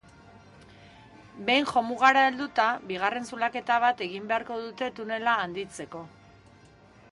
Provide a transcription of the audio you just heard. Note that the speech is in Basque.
Behin jomugara helduta bigarren zulaketa bat egin beharko dute tunela handitzeko.